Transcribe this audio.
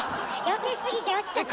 よけすぎて落ちちゃった！